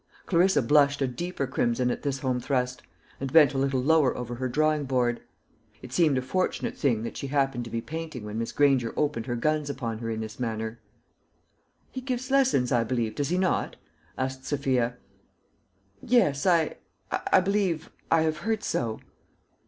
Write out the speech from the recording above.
Clarissa blushed a deeper crimson at this homethrust, and bent a little lower over her drawing board. It seemed a fortunate thing that she happened to be painting when Miss Granger opened her guns upon her in this manner. "He gives lessons, I believe; does he not?" asked Sophia. "Yes I I believe I have heard so."